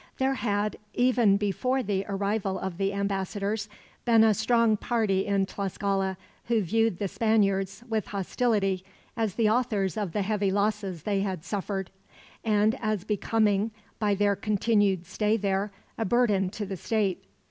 There had, even before the arrival of the ambassadors, been a strong party in Tlascala who viewed the Spaniards, with hostility, as the authors of the heavy losses they had suffered; and as becoming, by their continued stay there, a burden to the state.